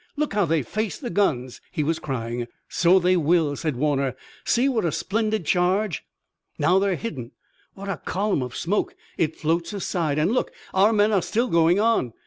Look how they face the guns!" he was crying. "So they will!" said Warner. "See what a splendid charge! Now they're hidden! What a column of smoke! It floats aside, and, look, our men are still going on!